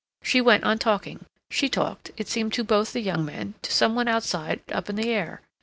She went on talking; she talked, it seemed to both the young men, to some one outside, up in the air.